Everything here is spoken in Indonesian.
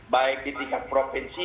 baik di tiga provinsi